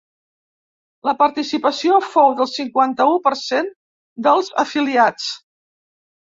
La participació fou del cinquanta-u per cent dels afiliats.